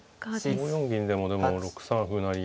５四銀でもでも６三歩成は嫌ですね。